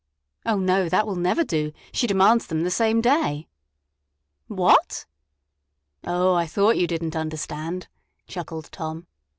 "Oh, no, that will never do. She demands them the same day." "What!" "Oh, I thought you didn't understand," chuckled Tom.